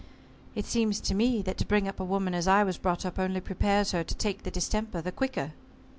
"It seems to me that to bring up a woman as I was brought up only prepares her to take the distemper the quicker."